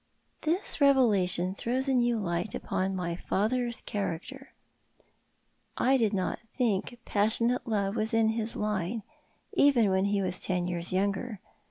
This revelation throws a new light upon my father's character. I did not think passionate love was in his line, even when he was ten years younger.